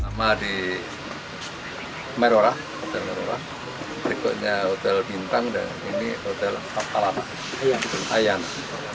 sama di merorah terikutnya hotel bintang dan ini hotel ayana